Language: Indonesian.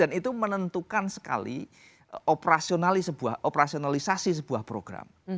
dan itu menentukan sekali operasionalisasi sebuah program